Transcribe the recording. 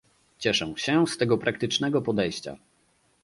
Cieszę się z tego praktycznego podejścia